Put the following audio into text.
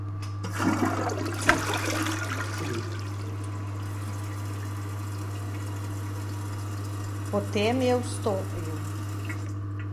Potem je vstopil.